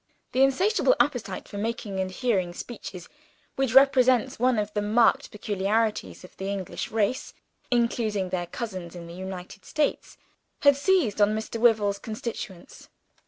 The insatiable appetite for making and hearing speeches, which represents one of the marked peculiarities of the English race (including their cousins in the United States), had seized on Mr. Wyvil's constituents.